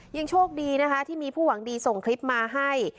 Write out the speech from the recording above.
ยังโชคดีนะคะที่มีผู้หวังดีส่งคลิปมาให้